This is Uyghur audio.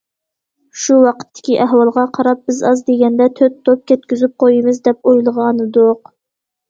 شۇ ۋاقىتتىكى ئەھۋالغا قاراپ بىز ئاز دېگەندە تۆت توپ كەتكۈزۈپ قويىمىز، دەپ ئويلىغانىدۇق.